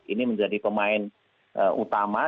ini menjadi pemain utama